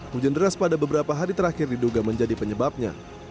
hujan deras pada beberapa hari terakhir diduga menjadi penyebabnya